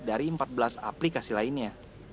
dari empat belas aplikasi lainnya